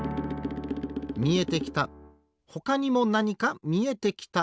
みえてきたほかにもなにかみえてきた。